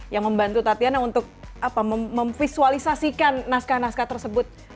yang membantu tatiana untuk memvisualisasikan naskah naskah tersebut